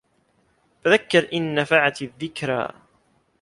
فَذَكِّر إِن نَفَعَتِ الذِّكرى